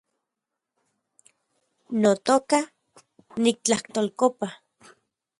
Notoka , nitlajtolkopa